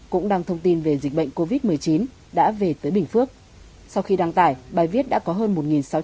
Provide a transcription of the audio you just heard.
cũng đăng thông tin về dịch bệnh covid một mươi chín đã về tới bình phước sau khi đăng tải bài viết đã có hơn